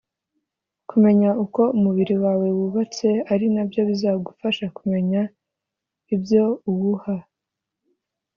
kumenya uko umubiri wawe wubatse ari nabyo bizagufasha kumenya ibyo uwuha